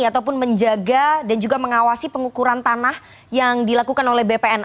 ataupun menjaga dan juga mengawasi pengukuran tanah yang dilakukan oleh bpn